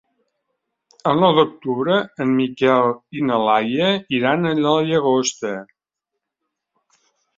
El nou d'octubre en Miquel i na Laia iran a la Llagosta.